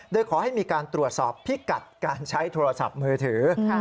โดยขอให้มีการตรวจสอบพิกัดการใช้โทรศัพท์มือถือ